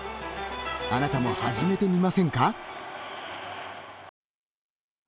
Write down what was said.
あなたも始めてみませんか。